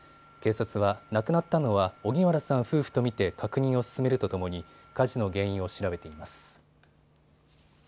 警察は亡くなったのは荻原さん夫婦と見て確認を進めるとともに火事の原因を調べています。